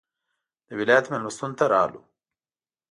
د ولایت مېلمستون ته راغلو.